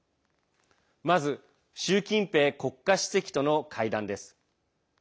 まず習近平国家主席との会談です。